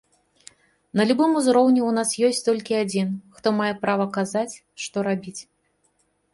На любым узроўні ў нас ёсць толькі адзін, хто мае права казаць, што рабіць.